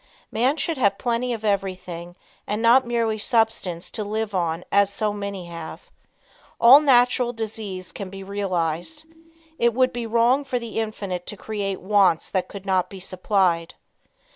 Man should have plenty of everything and not merely substance to live on as so many have. All natural desires can be realized. It would be wrong for the Infinite to create wants that could not be supplied.